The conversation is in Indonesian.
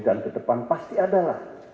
dan ke depan pasti ada lah